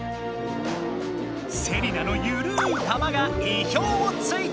セリナのゆるい球がいひょうをついた！